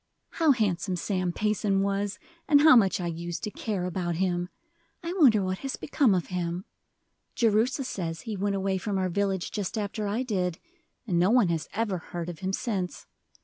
"How handsome Sam Payson was, and how much I use to care about him! I wonder what has become of him! Jerusha says he went away from our village just after I did, and no one has ever heard of him since.